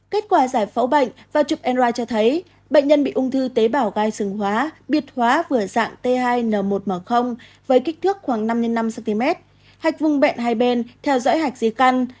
kết quả giải phẫu bệnh và chụp nri cho thấy bệnh nhân bị ung thư tế bảo gai xương hóa biệt hóa vừa dạng t hai n một m với kích thước khoảng năm x năm cm hạch vùng bẹn hai bên theo dõi hạch dì căn